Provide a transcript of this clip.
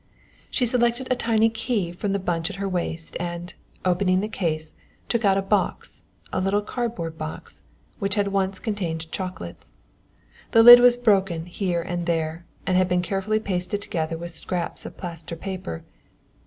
She selected a tiny key from the bunch at her waist and, opening the case, took out a box, a little cardboard box, which had once contained chocolates. The lid was broken here and there, and had been carefully pasted together with scraps of plaster paper.